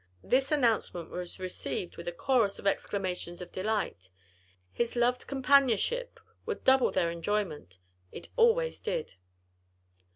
This announcement was received with a chorus of exclamations of delight; his loved companionship would double their enjoyment; it always did.